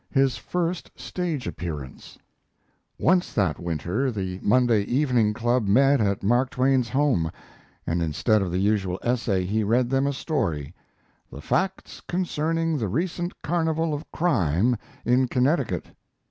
CVI. HIS FIRST STAGE APPEARANCE Once that winter the Monday Evening Club met at Mark Twain's home, and instead of the usual essay he read them a story: "The Facts Concerning the Recent Carnival of Crime in Connecticut."